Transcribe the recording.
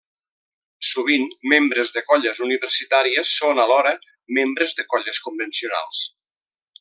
Sovint, membres de colles universitàries són, alhora, membres de colles convencionals.